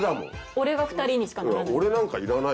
俺が２人にしかならない。